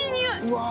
うわ。